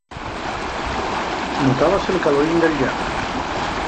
Notábase'l calorín del llar.